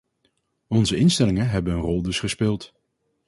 Onze instellingen hebben hun rol dus gespeeld.